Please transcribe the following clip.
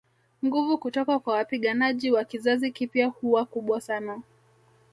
Nguvu kutoka kwa wapiganaji wa kizazi kipya huwa kubwa sana